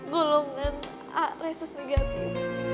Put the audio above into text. golongan aresus negatif